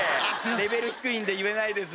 レベル低いんで言えないです。